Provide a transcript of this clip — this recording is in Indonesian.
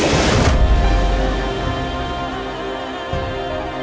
imun deh jangan tinggalin aku imun deh